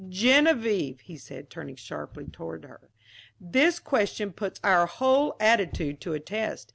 "Geneviève," he said, turning sharply toward her, "this question puts our whole attitude to a test.